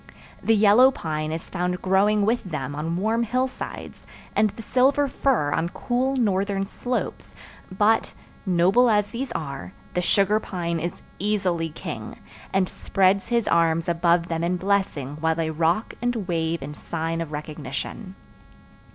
The yellow pine is found growing with them on warm hillsides, and the silver fir on cool northern slopes but, noble as these are, the sugar pine is easily king, and spreads his arms above them in blessing while they rock and wave in sign of recognition.